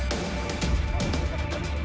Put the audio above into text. bukan gitu jadi ini